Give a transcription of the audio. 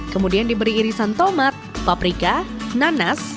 kemudian diberi irisan tomat paprika nanas